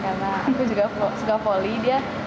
karena aku juga suka volley